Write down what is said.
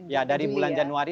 ya dari bulan januari